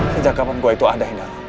sejak kapan gua itu ada hendar